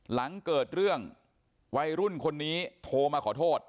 หลังเกิดเรื่องวัยรุ่นคนนี้โทรมาขอโทษ